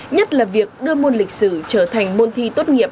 nhất là việc đưa môn lịch sử trở thành môn thi tốt nghiệp